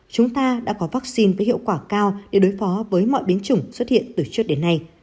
chúng ta đã có vaccine với hiệu quả cao để đối phó với mọi biến chủng xuất hiện từ trước đến nay